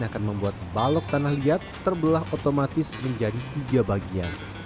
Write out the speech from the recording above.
akan membuat balok tanah liat terbelah otomatis menjadi tiga bagian